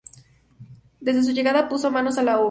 Desde su llegada puso manos a la obra.